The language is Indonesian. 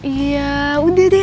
iya udah deh